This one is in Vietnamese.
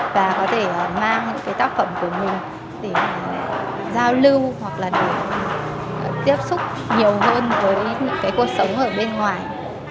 và có thể mang những cái tác phẩm của mình để giao lưu hoặc là để tiếp xúc nhiều hơn với những cái cuộc sống ở bên ngoài